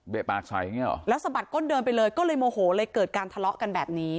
ปากใส่อย่างนี้หรอแล้วสะบัดก้นเดินไปเลยก็เลยโมโหเลยเกิดการทะเลาะกันแบบนี้